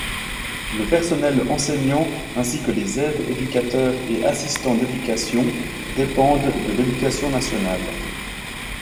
Le personnel enseignant, ainsi que les aides-éducateurs et assistants d'éducation, dépendent de l'Éducation nationale.